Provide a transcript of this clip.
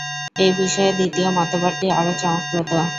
এই বিষয়ে দ্বিতীয় মতবাদটি আরও চমকপ্রদ।